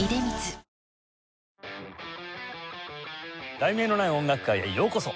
『題名のない音楽会』へようこそ。